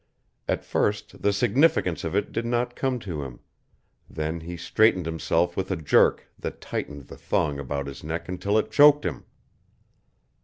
At first the significance of it did not come to him; then he straightened himself with a jerk that tightened the thong about his neck until it choked him.